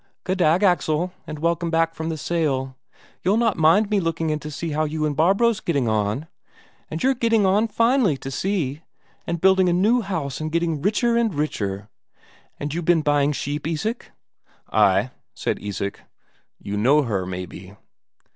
"Goddag, Axel, and welcome back from the sale. You'll not mind me looking in to see how you and Barbro's getting on? And you're getting on finely, to see, and building a new house and getting richer and richer! And you been buying sheep, Isak?" "Ay," said Isak. "You know her, maybe?"